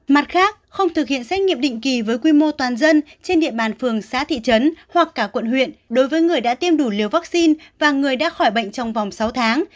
mặt khác không thực hiện xét nghiệm định kỳ với quy mô toàn dân trên địa bàn phường xã thị trấn hoặc cả quận huyện đối với người đã tiêm đủ liều vaccine và người đã khỏi bệnh trong vòng sáu tháng